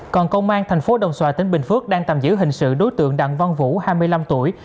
còn công an thành phố đồng xoài tỉnh bình phước đang tạm giữ hình sự đối tượng đặng văn vũ hai mươi năm tuổi